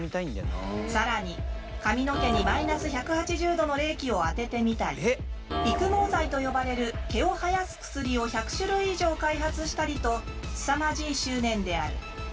更に髪の毛に−１８０度の冷気を当ててみたり育毛剤と呼ばれる毛を生やす薬を１００種類以上開発したりとすさまじい執念である。